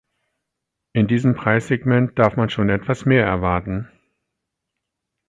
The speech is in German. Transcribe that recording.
In diesem Preissegment darf man schon etwas mehr erwarten.